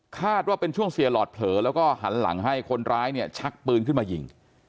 ว่าเป็นช่วงเสียหลอดเผลอแล้วก็หันหลังให้คนร้ายเนี่ยชักปืนขึ้นมายิง